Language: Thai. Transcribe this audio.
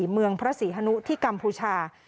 เมืองพระศรีฮนุที่กัมพูชา